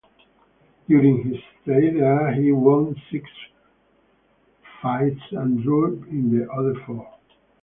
During his stay there he won six fights and drew in the other four.